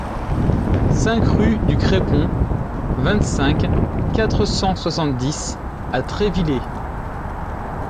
cinq rue du Crépon, vingt-cinq, quatre cent soixante-dix à Trévillers